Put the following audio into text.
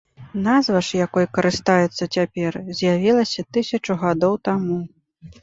Назва ж, якой карыстаюцца цяпер, з'явілася тысячу гадоў таму.